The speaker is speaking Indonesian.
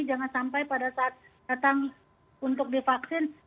jangan sampai pada saat datang untuk divaksin